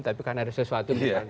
tapi karena ada sesuatu